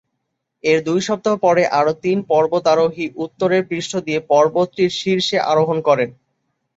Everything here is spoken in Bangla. এর দুই সপ্তাহ পরে আরো তিন পর্বতারোহী উত্তরের পৃষ্ঠ দিয়ে পর্বতটির শীর্ষে আরোহণ করেন।